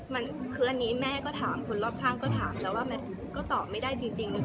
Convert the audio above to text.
มันคืออันนี้แม่ก็ถามคนรอบข้างก็ถามแต่ว่ามันก็ตอบไม่ได้จริง